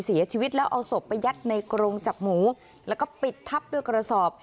เสียชีวิตแล้วเอาศพไปยัดในกรงจับหมูแล้วก็ปิดทับด้วยกระสอบ